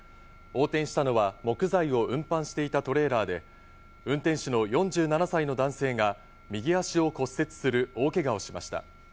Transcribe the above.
横転したのは木材を運搬していたトレーラーで、運転手の４７歳の男性が右足を骨折する大けがをしました。